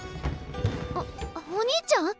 ・あっお兄ちゃん？